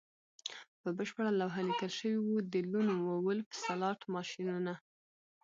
په بشپړه لوحه لیکل شوي وو د لون وولف سلاټ ماشینونه